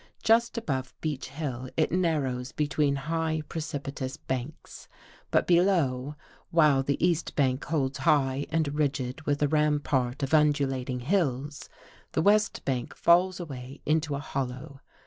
Just above Beech Hill it nar rows between high precipitous banks. But below, while the east bank holds high and rigid with a ram part of undulating hills, the west bank falls away into a hollow.